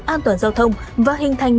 an toàn giao thông và hình thành